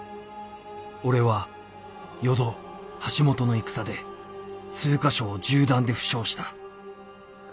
「俺は淀橋本の戦で数か所を銃弾で負傷した。